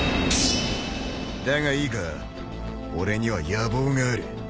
だがいいか俺には野望がある